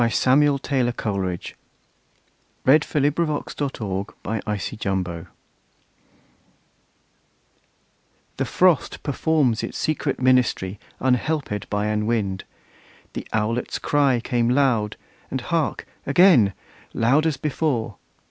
Samuel Taylor Coleridge Frost at Midnight THE Frost performs its secret ministry, Unhelped by an wind. The owlet's cry Came loud and hark, again! loud as before.